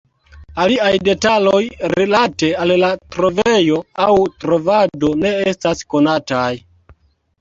Aliaj detaloj rilate al la trovejo aŭ trovado ne estas konataj.